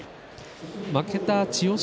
負けた千代翔